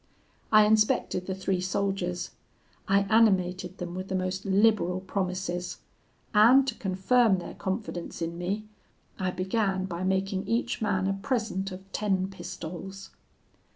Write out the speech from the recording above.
I inspected the three soldiers; I animated them with the most liberal promises; and to confirm their confidence in me, I began by making each man a present of ten pistoles.